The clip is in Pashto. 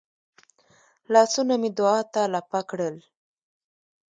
لاسونه مې دعا ته لپه کړل.